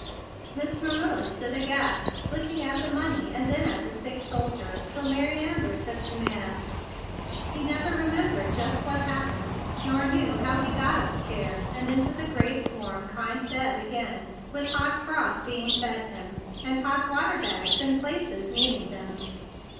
Miss Marilla stood aghast, looking at the money and then at the sick sol¬ dier, till Mary Amber took command. He never remembered just what hap¬ pened, nor knew how he got up stairs and into the great warm, kind bed again, with hot broth being fed him, and hot water bags in places needing them.